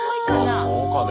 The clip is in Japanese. あそうかね。